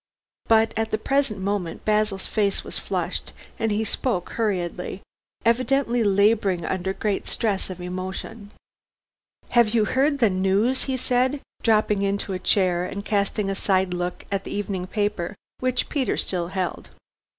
But at the present moment Basil's face was flushed, and he spoke hurriedly, evidently laboring under great stress of emotion. "Have you heard the news?" he said, dropping into a chair and casting a side look at the evening paper which Peter still held.